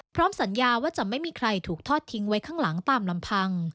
พร้อมสัญญาว่าจะไม่มีใครถูกทอดทิ้งไว้ข้างหลังตามลำพัง